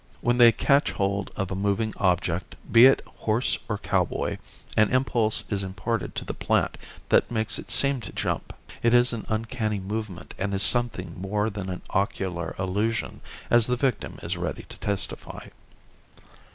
When they catch hold of a moving object, be it horse or cowboy, an impulse is imparted to the plant that makes it seem to jump. It is an uncanny movement and is something more than an ocular illusion, as the victim is ready to testify.